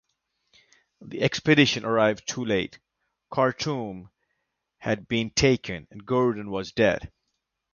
The expedition arrived too late; Khartoum had been taken, and Gordon was dead.